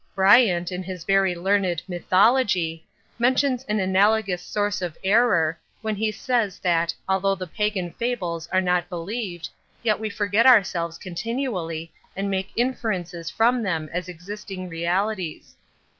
Bryant, in his very learned 'Mythology,' mentions an analogous source of error, when he says that 'although the Pagan fables are not believed, yet we forget ourselves continually, and make inferences from them as existing realities.